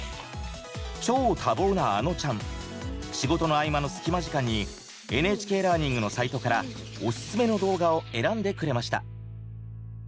超多忙なあのちゃん仕事の合間の隙間時間に「ＮＨＫラーニング」のサイトからおすすめの動画を選んでくれました。